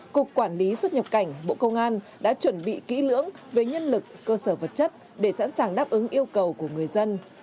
cục quản lý xuất nhập cảnh bộ công an đã chuẩn bị kỹ lưỡng về nhân lực cơ sở vật chất để sẵn sàng đáp ứng yêu cầu của người dân